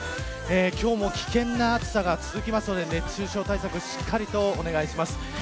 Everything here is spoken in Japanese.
今日も危険な暑さが続きますので熱中症対策をしっかりとお願いします。